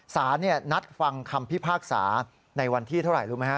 สารนัดฟังคำพิพากษาในวันที่เท่าไหร่รู้ไหมฮะ